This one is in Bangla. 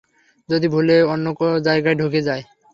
যদি ভুলে অন্য যায়গায় ঢুকে যায়?